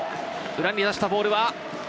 裏に出したボール。